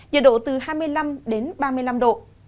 nhiệt độ từ hai mươi năm đến ba mươi năm độ